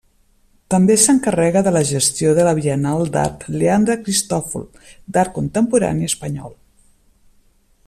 També s'encarrega de la gestió de la Biennal d'Art Leandre Cristòfol, d'art contemporani espanyol.